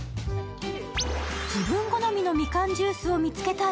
自分好みのみかんジュースを見つけたい